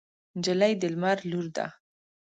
نجلۍ د لمر لور ده.